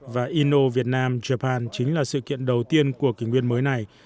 và inno vietnam japan chính là sự kiện đầu tiên của kỷ nguyên mới này